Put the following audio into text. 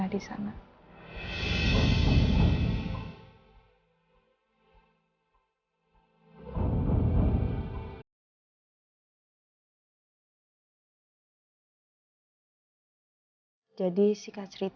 yang dimana mama harus masuk penjara dan melahirkan rena disana